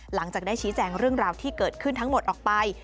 หลังจากได้ชี้แจงเรื่องราวที่เกิดขึ้นทั้งหมดออกไป